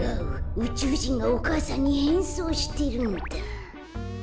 うちゅうじんがお母さんにへんそうしてるんだ。